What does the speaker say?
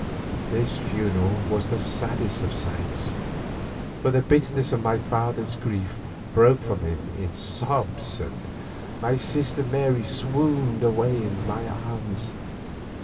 This funeral was the saddest of sights, for the bitterness of my father's grief broke from him in sobs and my sister Mary swooned away in my arms.